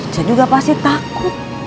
cucu juga pasti takut